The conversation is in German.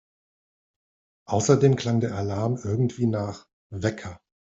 Außerdem klang der Alarm irgendwie nach … Wecker!